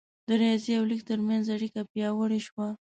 د ریاضي او لیک ترمنځ اړیکه پیاوړې شوه.